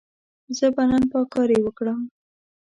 زه به نن پاککاري وکړم.